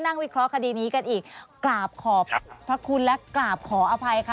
สวัสดีค่ะอาจารย์